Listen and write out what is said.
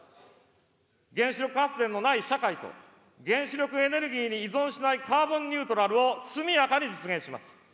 原子力発電のない社会と、原子力エネルギーに依存しないカーボンニュートラルを速やかに実現します。